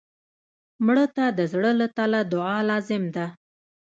مړه ته د زړه له تله دعا لازم ده